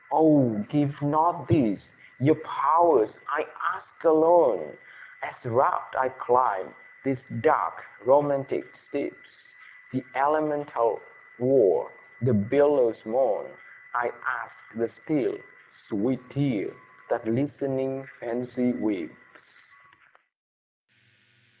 Oh! give not these, ye pow'rs! I ask alone, As rapt I climb these dark romantic steeps, The elemental war, the billow's moan; I ask the still, sweet tear, that listening Fancy weeps!